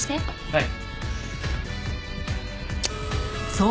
はい。